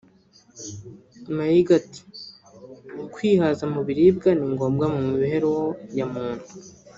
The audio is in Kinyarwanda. Maiga ati “Kwihaza mu biribwa ni ngombwa mu mibereho ya muntu